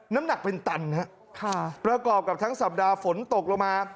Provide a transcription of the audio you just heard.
น้ำหนักเป็นตันฮะค่ะประกอบกับทั้งสัปดาห์ฝนตกลงมา